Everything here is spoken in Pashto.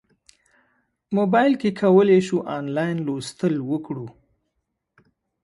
موبایل کې کولی شو انلاین لوستل وکړو.